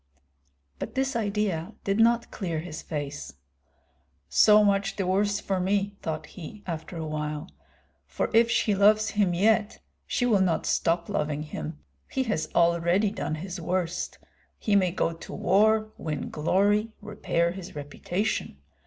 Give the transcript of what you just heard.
But this idea did not clear his face. "So much the worse for me," thought he, after a while; "for if she loves him yet, she will not stop loving him. He has already done his worst. He may go to war, win glory, repair his reputation.